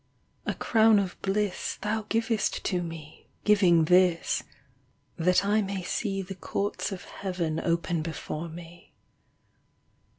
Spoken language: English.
— A crown of bliss Thou givest to me, giving this, That I may see the courts of Heaven Open before me.